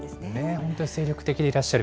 本当に精力的でいらっしゃる。